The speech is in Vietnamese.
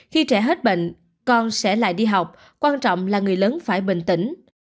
khi trẻ hết bệnh con sẽ lại đi học quan trọng là người lớn phải bình tĩnh